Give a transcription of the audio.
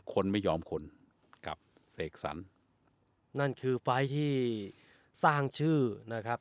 คนไม่ยอมคนกับเสกสรรนั่นคือไฟล์ที่สร้างชื่อนะครับ